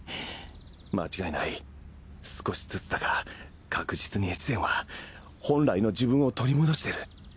間違いない少しずつだが確実に越前は本来の自分を取り戻してる。